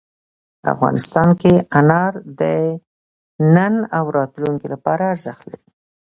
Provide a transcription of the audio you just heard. افغانستان کې انار د نن او راتلونکي لپاره ارزښت لري.